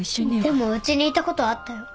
でもうちにいたことあったよ。